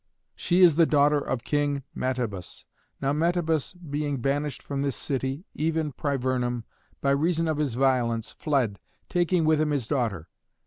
She is the daughter of King Metabus. Now Metabus, being banished from his city, even Privernum, by reason of his violence, fled, taking with him his daughter.